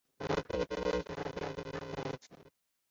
我们可以通过运行程序来访问环境变量的值。